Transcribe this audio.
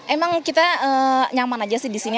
emang kita nyaman aja sih di sini